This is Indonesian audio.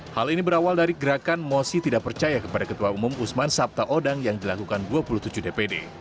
hal ini berawal dari gerakan mosi tidak percaya kepada ketua umum usman sabta odang yang dilakukan dua puluh tujuh dpd